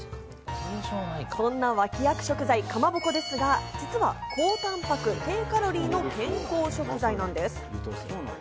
そんな脇役食材のかまぼこですが、実は高たんぱく、低カロリーの健康食材なんです。